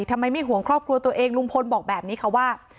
ทำไมไม่ห่วงครอบครัวตัวเองลุงพลบอกแบบนี้ค่ะว่า